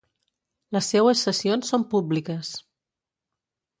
Les seues sessions són públiques.